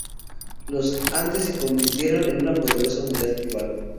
Los Antes se convirtieron en una poderosa unidad tribal.